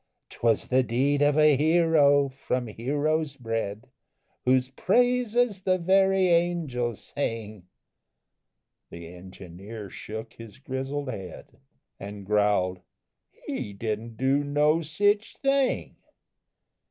'Twas the deed of a hero, from heroes bred, Whose praises the very angels sing!" The engineer shook his grizzled head, And growled: "He didn't do no sich thing.